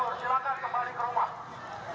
anda mundur kami juga mundur